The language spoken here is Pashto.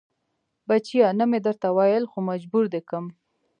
بچيه نه مې درته ويل خو مجبور دې کم.